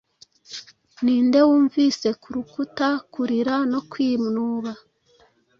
Ninde wunvise kurukuta kurira no kwinuba